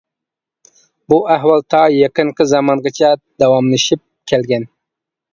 بۇ ئەھۋال تا يېقىنقى زامانغىچە داۋاملىشىپ كەلگەن.